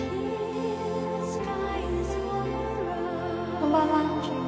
こんばんは